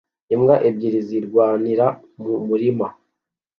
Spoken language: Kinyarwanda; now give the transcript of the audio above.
Imbwa ebyiri zirwanira mu murima